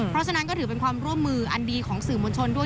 เพราะฉะนั้นก็ถือเป็นความร่วมมืออันดีของสื่อมวลชนด้วย